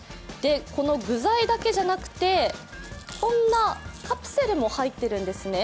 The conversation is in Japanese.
この具材だけじゃなくて、こんなカプセルも入っているんですね。